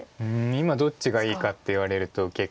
今どっちがいいかって言われると結構。